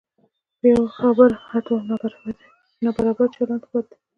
په یوه خبره هر ډول نابرابر چلند بد دی.